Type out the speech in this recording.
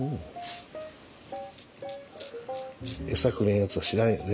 餌くれんやつは知らんよね。